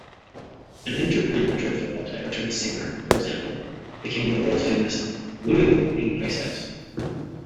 An injured Real Madrid football player-turned-singer, for example, became the world-famous Julio Iglesias.